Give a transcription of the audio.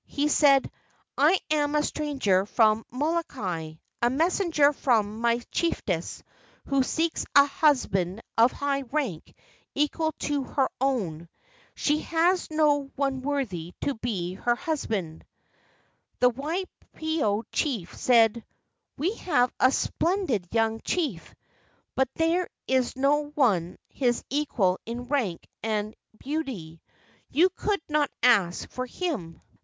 He said: "I am a stranger from Molokai, a messenger from my chiefess, who seeks a husband of high rank equal to her own. She has no one worthy to be her husband." The Waipio chief said: "We have a splendid young chief, but there is no one his equal in rank and beauty. You could not ask for him."